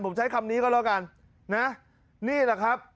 ผมใช้คำนี้ก็แล้วกันนะนี่แหละครับ